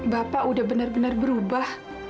bapak udah benar benar berubah